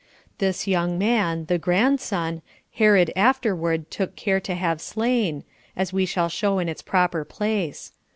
This young man [the grandson] Herod afterward took care to have slain, as we shall show in its proper place.